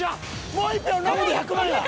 もう１票ノブで１００万や。